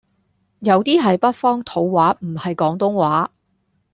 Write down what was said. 有 D 係北方土話唔係廣東話